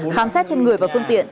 khám xét trên người và phương tiện